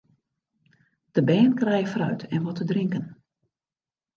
De bern krije fruit en wat te drinken.